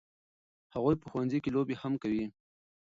هغوی په ښوونځي کې لوبې هم کوي.